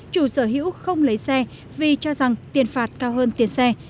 chủ sở hữu không lấy xe vì cho rằng tiền phạt cao hơn tiền xe